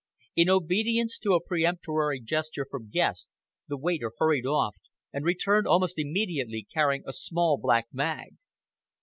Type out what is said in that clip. In obedience to a peremptory gesture from Guest, the waiter hurried off, and returned almost immediately carrying a small black bag.